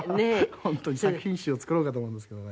本当に作品集を作ろうかと思うんですけどね。